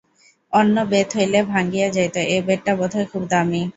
অন্য বেত হইলে ভাঙিয়া যাইত, এ বেতটা বোধ হয় খুব দামি।